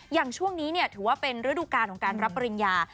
อย่างช่วงนี้ถือว่าเป็นฤดูการของการรับปริญญา